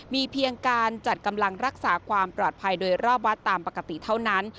มีเพียงการจัดกำลังรักษาความปลอดภัยโดยรอบวัดตามปกติเท่านั้น